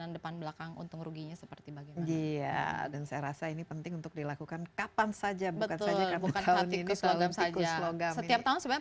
dan saya rasa ini penting untuk dilakukan kapan saja bukan saja karena tahun ini setiap tahun sebenarnya